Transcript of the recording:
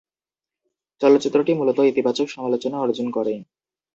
চলচ্চিত্রটি মূলত ইতিবাচক সমালোচনা অর্জন করে।